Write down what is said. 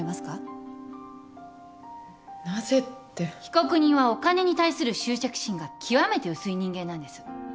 被告人はお金に対する執着心が極めて薄い人間なんです。